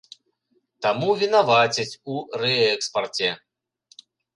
Таму вінавацяць у рээкспарце.